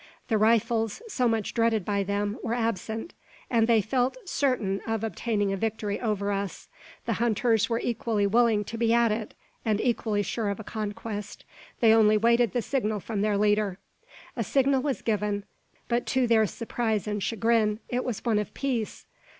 The rifles, so much dreaded by them, were absent; and they felt certain of obtaining a victory over us. The hunters were equally willing to be at it, and equally sure of a conquest. They only waited the signal from their leader. A signal was given; but, to their surprise and chagrin, it was one of peace!